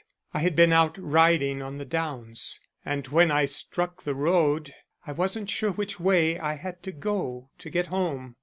I had been out riding on the downs and when I struck the road I wasn't sure which way I had to go to get home.